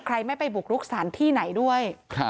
ใครไม่ไปบุกรุกสถานที่ไหนด้วย